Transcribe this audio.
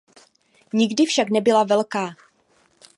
Nikdy však nebyla velká.